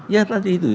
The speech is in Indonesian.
ya tadi itu